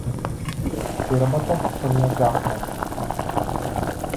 Вербата што ни ја гаснат.